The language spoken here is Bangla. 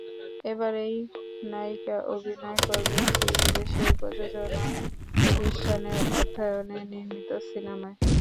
এবার এই নায়িকা অভিনয় করবেন চীন দেশের প্রযোজনা প্রতিষ্ঠানের অর্থায়নে নির্মিত সিনেমায়।